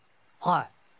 はい。